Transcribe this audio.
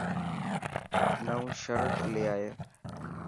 نئون شرٽ لي آءِ.